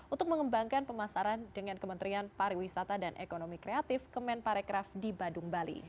untuk mengembangkan pemasaran dengan kementerian pariwisata dan ekonomi kreatif kemenparekraf di badung bali